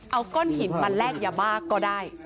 เอาก้อนหินมาแลกยาบ้าก็ได้